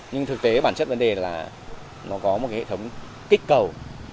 nhưng thực tế bản chất vấn đề là nó có một hệ thống kích cầu